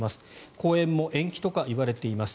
講演も延期とか言われています